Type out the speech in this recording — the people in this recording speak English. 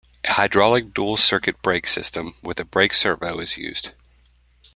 A hydraulic dual circuit brake system with a brake servo is used.